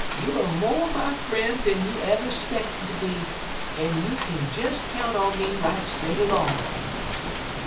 Youer much mo' my fr'en' dan you ever 'speckted ter be, en you kin des count on me right straight 'long.'